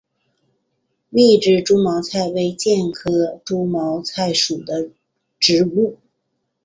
密枝猪毛菜为苋科猪毛菜属的植物。